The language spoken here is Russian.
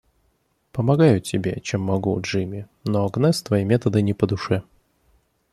Помогаю тебе, чем могу, Джимми, но Агнес твои методы не по душе.